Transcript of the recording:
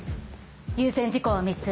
優先事項は３つ。